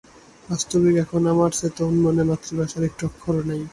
বাস্তবিক এখন আমার চেতন-মনে মাতৃভাষার একটি অক্ষরও নাই।